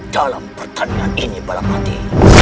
dalam pertandingan ini balapati